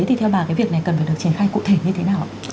thì theo bà cái việc này cần phải được triển khai cụ thể như thế nào ạ